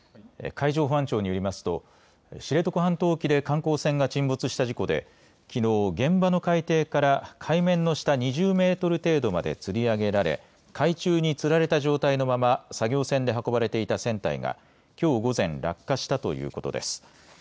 海上保安庁によりますと知床半島沖で観光船が沈没した事故できのう現場の海底から海面の下２０メートル程度までつり上げられ海中につられた状態のまま作業船で運ばれていた船体がきょう午前、落下したということです。